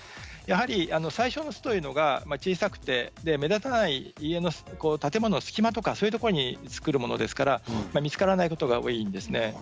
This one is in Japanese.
最初の巣というのは小さくて目立たない建物の隙間とかそういうところに作るものですから見つからないことが多いんです。